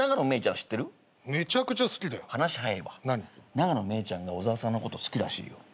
永野芽郁ちゃんが小沢さんのこと好きらしいよ。